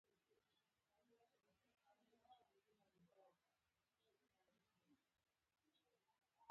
ډیجیټل بانکوالي د ټولو لپاره یو شان فرصتونه رامنځته کوي.